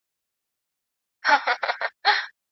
د دولت د پیاوړي کولو لپاره کوم قواعد لرل مهم دي؟